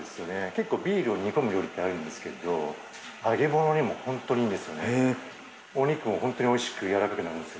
結構ビールで煮込む料理ってあるんですけど揚げ物にも本当にいいんです。